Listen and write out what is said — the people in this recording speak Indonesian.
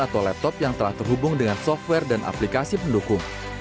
atau laptop yang telah terhubung dengan software dan aplikasi pendukung